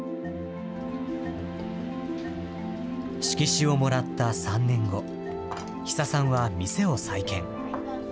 色紙をもらった３年後、比佐さんは店を再建。